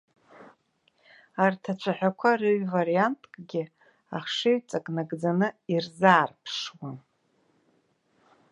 Ари ацәаҳәа рыҩвариангьы ахшыҩҵак нагӡаны ирзаарԥшуам.